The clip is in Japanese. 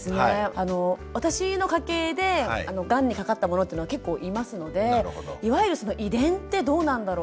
あの私の家系でがんにかかった者っていうのは結構いますのでいわゆるその遺伝ってどうなんだろう？